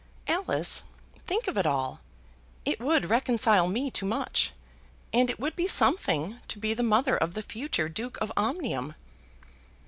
Alice, think of it all. It would reconcile me to much, and it would be something to be the mother of the future Duke of Omnium."